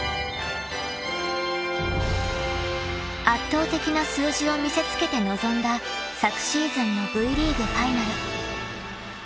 ［圧倒的な数字を見せつけて臨んだ昨シーズンのＶリーグファイナル］